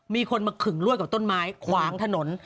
มีคนมาขึงลวดกับต้นไม้ขวางถนน